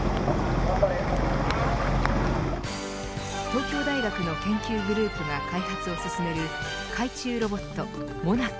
東京大学の研究グループが開発を進める海中ロボットＭＯＮＡＣＡ。